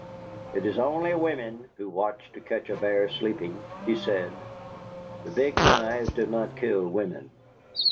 "It is only women who watch to catch a bear sleeping," he said. "The Big Knives do not kill women.